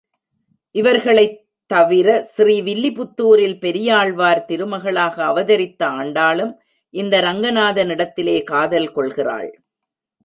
இவர்களைத் தலிர, ஸ்ரீ வில்லிப்புத்தூரில் பெரியாழ்வார் திருமகளாக அவதரித்த ஆண்டாளும் இந்த ரங்கநாதனிடத்திலே காதல் கொள்கிறாள்.